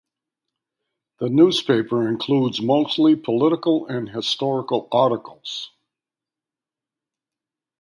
The newspaper includes mostly political and historical articles.